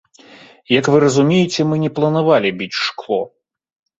Як вы разумееце, мы не планавалі біць шкло.